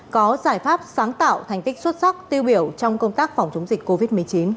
có giải pháp sáng tạo thành tích xuất sắc tiêu biểu trong công tác phòng chống dịch covid một mươi chín